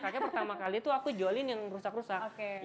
akhirnya pertama kali tuh aku jualin yang rusak rusak